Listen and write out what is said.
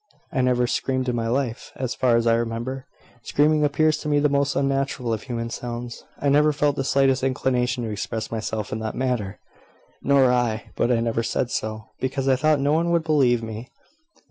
"I never screamed in my life, as far as I remember. Screaming appears to me the most unnatural of human sounds. I never felt the slightest inclination to express myself in that manner." "Nor I: but I never said so, because I thought no one would believe me."